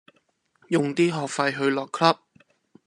用啲學費去落 Club